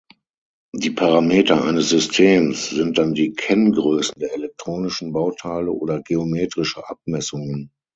Die Parameter eines Systems sind dann die Kenngrößen der elektronischen Bauteile oder geometrische Abmessungen.